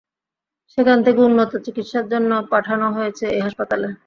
সেখান থেকে উন্নত চিকিৎসার জন্য পাঠানো হয়েছে এই হাসপাতালে।